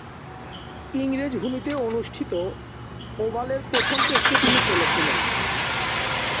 ইংরেজ ভূমিতে অনুষ্ঠিত ওভালের প্রথম টেস্টে তিনি খেলেছিলেন।